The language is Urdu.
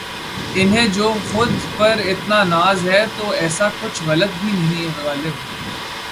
انہیں جو خود پر اتنا ناز ہے تو ایسا کچھ غلط بھی نہیں غالب